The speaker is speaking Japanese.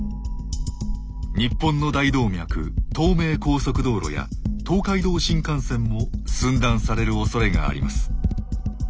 日本の大動脈東名高速道路や東海道新幹線も寸断されるおそれがあります。